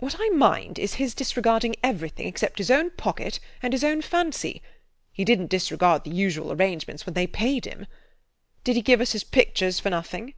What I mind is his disregarding everything except his own pocket and his own fancy. He didn't disregard the usual arrangements when they paid him. Did he give us his pictures for nothing?